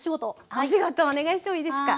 お仕事お願いしてもいいですか？